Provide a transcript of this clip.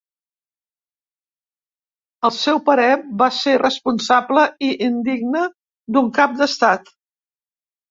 Al seu parer, va ser ‘irresponsable i indigne d’un cap d’estat’.